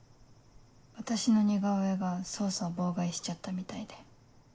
私の似顔絵が捜査を妨害しちゃったみたいで。